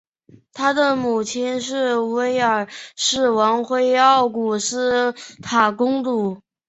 他的母亲是威尔士王妃奥古斯塔公主。